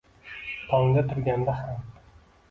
Tongda turganda ham